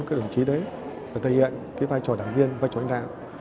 các đồng chí đấy và thể hiện cái vai trò đảng viên vai trò đảng đảng